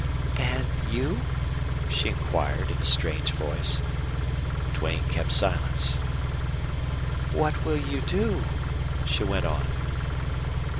"And you?" she inquired, in a strange voice. Duane kept silence. "What will you do?" she went on.